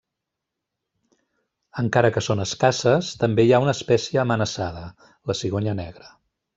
Encara que són escasses, també hi ha una espècie amenaçada, la cigonya negra.